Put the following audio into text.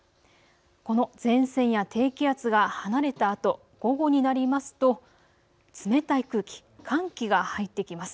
この前線や低気圧が離れたあと午後になりますと冷たい空気、寒気が入ってきます。